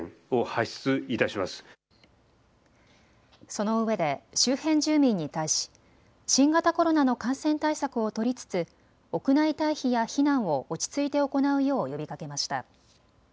そのうえで周辺住民に対し新型コロナの感染対策を取りつつ屋内待避や避難を落ち着いて行うよう呼びかけました。